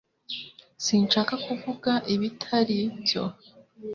Sinshaka kuvuga ibitari byo